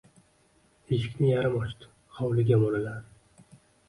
Eshikni yarim ochdi. Hovliga mo‘raladi.